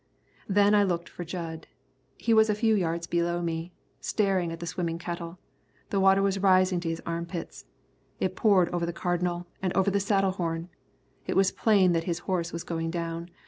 Then I looked for Jud. He was a few yards below me, staring at the swimming cattle. The water was rising to his armpits. It poured over the Cardinal, and over the saddle horn. It was plain that the horse was going down.